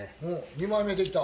２枚目できた。